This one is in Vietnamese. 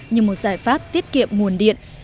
như một giải pháp tiết kiệm nguồn điện